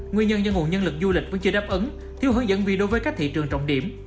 nguyên nhân do nguồn nhân lực du lịch vẫn chưa đáp ứng thiếu hướng dẫn vì đối với các thị trường trọng điểm